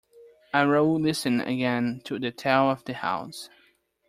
And Raoul listened again to the tale of the house.